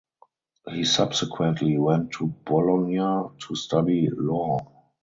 He subsequently went to Bologna to study law.